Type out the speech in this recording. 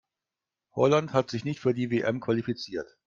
Holland hat sich nicht für die WM qualifiziert.